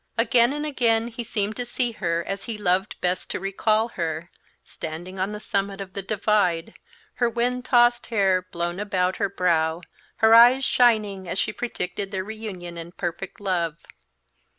Again and again he seemed to see her, as he loved best to recall her, standing on the summit of the "Divide," her wind tossed hair blown about her brow, her eyes shining, as she predicted their reunion and perfect love.